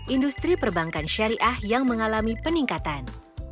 industri perbankan syariah yang mengalami peningkatan